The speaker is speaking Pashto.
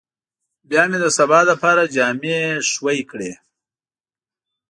بيا مې د سبا لپاره جامې خويې کړې.